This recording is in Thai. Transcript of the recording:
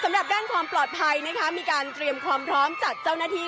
ด้านความปลอดภัยนะคะมีการเตรียมความพร้อมจากเจ้าหน้าที่